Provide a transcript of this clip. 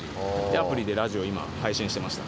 アプリでラジオを今配信してました。